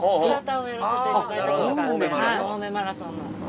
青梅マラソンの。